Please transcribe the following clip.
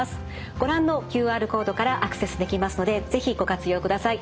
ご覧のＱＲコードからアクセスできますので是非ご活用ください。